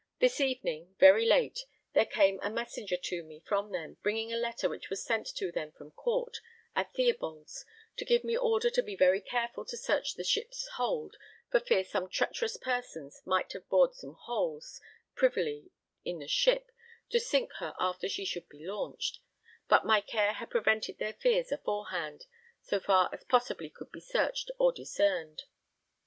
This evening, very late, there [came] a messenger to me from them, bringing a letter which was sent to them from Court, at Theobalds, to give me order to be very careful to search the ship's hold for fear some treacherous persons might have bored some holes, privily, in the ship, to sink her after she should be launched; but my care had prevented their fears aforehand, so far as possibly could be searched or discerned.